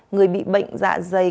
người bị bệnh dạ dày